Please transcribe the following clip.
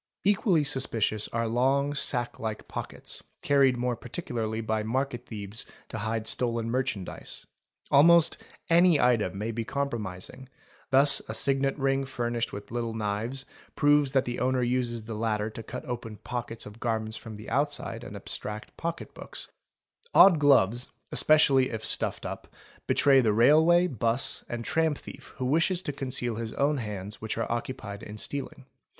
Hqually suspicious are long sack like pockets, carried more particularly by market thieves to hide stolen merchandise. Almost any object may be compromising: thus a signet ring furnished with little knives proves that — the owner uses the latter to cut open pockets of garments from the outside — and abstract pocketbooks ; odd gloves, especially if stuffed up, betray || the railway, bus, and tram thief who wishes to conceal his own hands — which are occupied in stealing.